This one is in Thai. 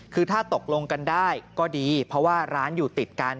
คือถ้าตกลงกันได้ก็ดีเพราะว่าร้านอยู่ติดกัน